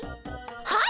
はい！